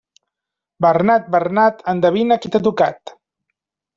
Bernat, Bernat endevina qui t'ha tocat.